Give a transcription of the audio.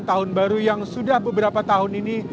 tahun baru yang sudah beberapa tahun ini